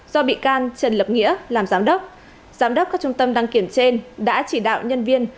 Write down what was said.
do bị can trần lập nghĩa làm giám đốc giám đốc các trung tâm đăng kiểm trên đã chỉ đạo nhân viên